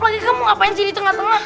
lagi kamu ngapain sih di tengah tengah